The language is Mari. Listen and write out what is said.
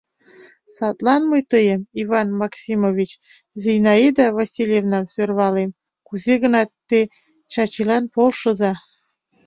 Садлан мый тыйым, Иван Максимович, Зинаида Васильевнам сӧрвалем: кузе-гынат те Чачилан полшыза.